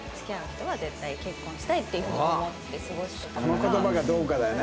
この言葉がどうかだよね。